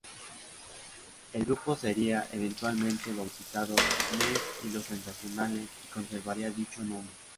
El grupo sería eventualmente bautizado "Ness y Los Sensacionales", y conservaría dicho nombre.